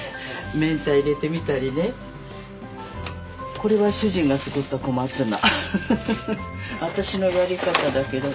これは主人が作った小松菜。